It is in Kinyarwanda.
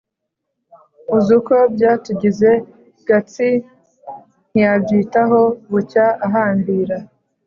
uzi uko byatugize!" Gatsi ntiyabyitaho bucya ahambira